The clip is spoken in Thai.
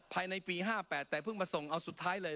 ภายในปี๕๘แต่เพิ่งมาส่งเอาสุดท้ายเลย